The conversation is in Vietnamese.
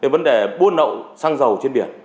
vấn đề buôn lậu xăng dầu trên biển